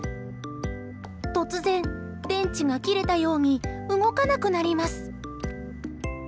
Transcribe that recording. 突然、電池が切れたように動かなくなります。